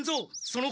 その